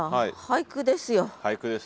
俳句です。